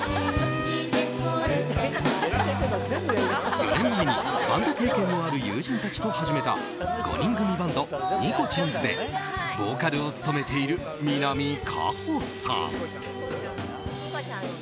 ４年前にバンド経験のある友人たちと始めた５人組バンドＮｉｃｏｃｈａｎｓでボーカルを務めている南果歩さん。